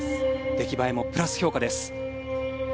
出来栄えもプラス評価です。